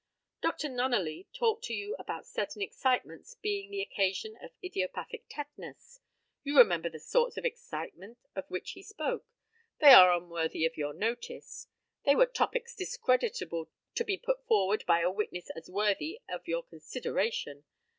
Dr. Nunneley talked to you about certain excitements being the occasion of idiopathic tetanus. You remember the sorts of excitement of which he spoke. They are unworthy of your notice. They were topics discreditable to be put forward by a witness as worthy of your consideration.